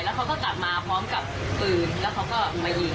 เขาก็กลับมาพร้อมกับปืนแล้วเขาก็มายิง